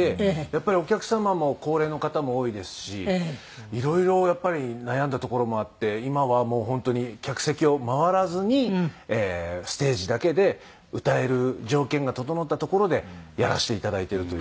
やっぱりお客様も高齢の方も多いですしいろいろやっぱり悩んだところもあって今はもう本当に客席を回らずにステージだけで歌える条件が整った所でやらせていただいているという。